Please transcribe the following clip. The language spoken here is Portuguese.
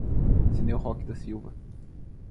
Cineu Roque da Silva